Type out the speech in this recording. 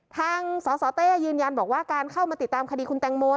สสเต้ยืนยันบอกว่าการเข้ามาติดตามคดีคุณแตงโม